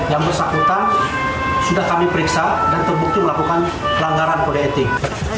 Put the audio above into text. yang bersangkutan sudah kami periksa dan terbukti melakukan pelanggaran kode etik